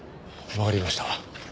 わかりました。